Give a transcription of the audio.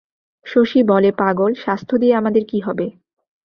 শশী বলে, পাগল, স্বাস্থ্য দিয়ে আমাদের কী হবে।